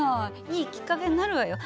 いいきっかけになるわよ。